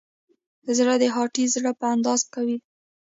زړه د هاتي زړه په اندازه قوي دی.